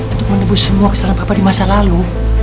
untuk menebus semua kesalahan bapak di masa lalu